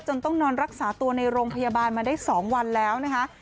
ต้องนอนรักษาตัวในโรงพยาบาลมาได้๒วันแล้วนะคะ